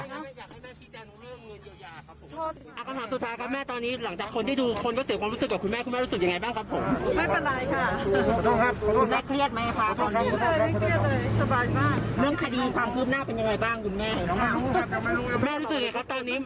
คุณแม่มีอะไรอยากบอกสังคมไหมสุดท้ายเดี๋ยวปล่อยแล้วครับแม่ครับ